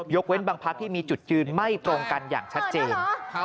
เว้นบางพักที่มีจุดยืนไม่ตรงกันอย่างชัดเจน